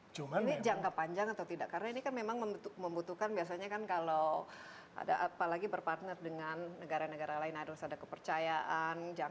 ini jangka panjang atau tidak karena ini kan memang membutuhkan biasanya kan kalau ada apalagi berpartner dengan negara negara lain harus ada kepercayaan